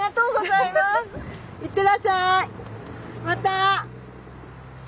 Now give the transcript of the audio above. また！